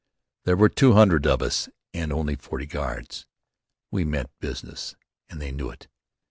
There were two hundred of us and only forty guards. We meant business and they knew it.